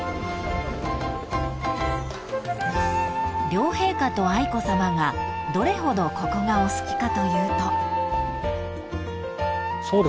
［両陛下と愛子さまがどれほどここがお好きかというと］